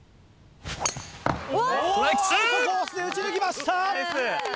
アウトコースで打ち抜きました！